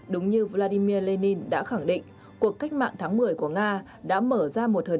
đúng như vladimir lenin đã khẳng định cuộc cách mạng tháng một mươi của nga đã mở ra một thời đại mới trong lịch sử thế giới